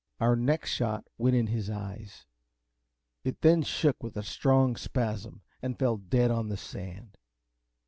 Our next shot went in his eyes. It then shook as with a strong spasm, and fell dead on the sand.